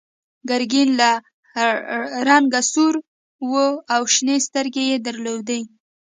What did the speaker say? ګرګین له رنګه سور و او شنې سترګې یې درلودې.